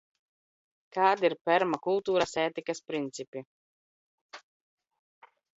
Kādi ir permakultūras ētikas principi?